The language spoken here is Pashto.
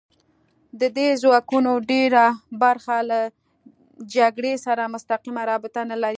د دې ځواکونو ډېره برخه له جګړې سره مستقیمه رابطه نه لري